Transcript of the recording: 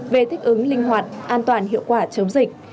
về thích ứng linh hoạt an toàn hiệu quả chống dịch